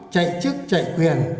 chạy chức chạy quyền